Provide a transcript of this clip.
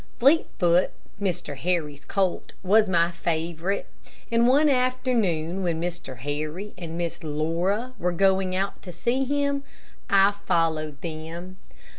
Fleetfoot, Mr. Harry's colt, was my favorite, and one afternoon, when Mr. Harry and Miss Laura were going out to see him, I followed them.